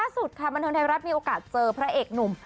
สุดค่ะบันเทิงไทยรัฐมีโอกาสเจอพระเอกหนุ่ม